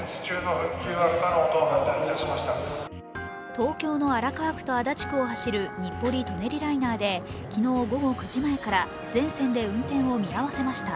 東京の荒川区と足立区を走る日暮里・舎人ライナーで昨日午後９時前から全線で運転を見合わせました。